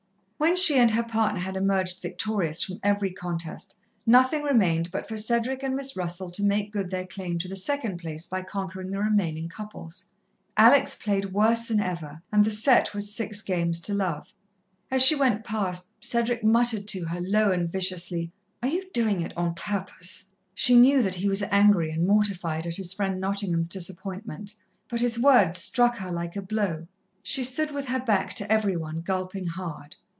When she and her partner had emerged victorious from every contest, nothing remained but for Cedric and Miss Russell to make good their claim to the second place by conquering the remaining couples. Alex played worse than ever, and the sett was six games to love. As she went past, Cedric muttered to her low and viciously: "Are you doing it on purpose?" She knew that he was angry and mortified at his friend Nottingham's disappointment, but his words struck her like a blow. She stood with her back to every one, gulping hard.